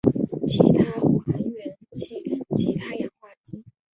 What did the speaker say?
其他还原器其他氧化剂